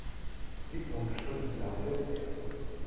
Die Umschrift lautet „S.